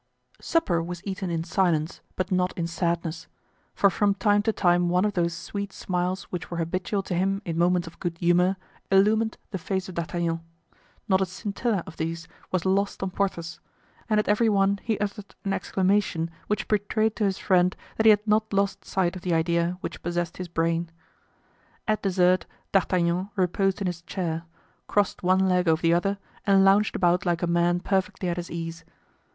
Supper was eaten in silence, but not in sadness; for from time to time one of those sweet smiles which were habitual to him in moments of good humor illumined the face of D'Artagnan. Not a scintilla of these was lost on Porthos; and at every one he uttered an exclamation which betrayed to his friend that he had not lost sight of the idea which possessed his brain. At dessert D'Artagnan reposed in his chair, crossed one leg over the other and lounged about like a man perfectly at his ease.